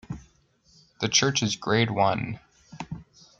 The church is grade one.